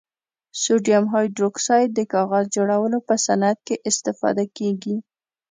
سوډیم هایدروکسایډ د کاغذ جوړولو په صنعت کې استفاده کیږي.